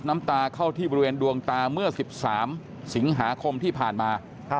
น้ำตาเข้าที่บริเวณดวงตาเมื่อ๑๓สิงหาคมที่ผ่านมา